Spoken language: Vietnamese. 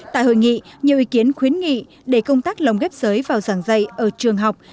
tại hội nghị nhiều ý kiến khuyến nghị để công tác lồng ghép giới vào giảng dạy ở trường học